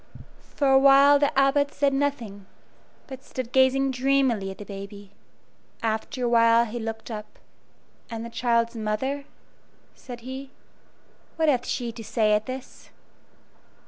For a while the Abbot said nothing, but stood gazing dreamily at the baby. After a while he looked up. "And the child's mother," said he "what hath she to say at this?"